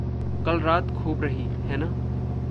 कल रात खूब रही, है ना?